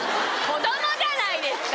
子供じゃないですか。